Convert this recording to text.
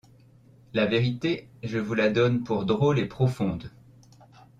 La vérité, je vous la donne pour drôle et profonde.